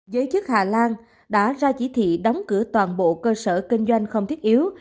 giới chức hà lan đã ra chỉ thị đóng cửa toàn bộ cơ sở kinh doanh không thiết yếu